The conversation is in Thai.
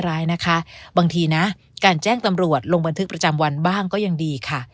ร้ายนะคะบางทีนะการแจ้งตำรวจลงบันทึกประจำวันบ้างก็ยังดีค่ะ